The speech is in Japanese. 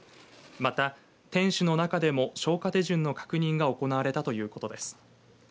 また、天守の中でも消火手順の確認が行われたということです。